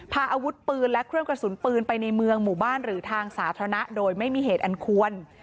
พาอาวุธปืนและเครื่องกระสุนปืนไปในเมืองหมู่บ้านหรือทางสาธารณะโดยไม่มีเหตุอันควร